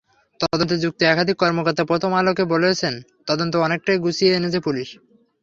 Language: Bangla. তদন্তে যুক্ত একাধিক কর্মকর্তা প্রথম আলোকে বলেছেন, তদন্ত অনেকটাই গুছিয়ে এনেছে পুলিশ।